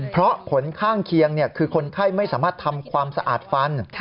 เพราะผลข้างเคียงคือคนไข้ไม่สามารถทำความสะอาดฟัน